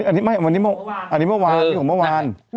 อันนี้มะวานอันนี้ของมะวาน